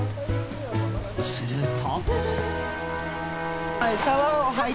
すると。